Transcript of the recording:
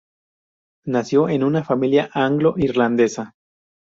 Nació en una familia anglo-irlandesa.